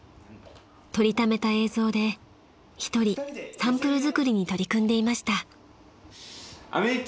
［撮りためた映像で一人サンプル作りに取り組んでいました］